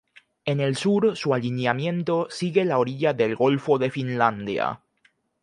En el sur su alineamiento sigue la orilla del Golfo de Finlandia.